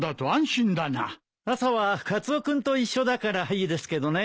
朝はカツオ君と一緒だからいいですけどね。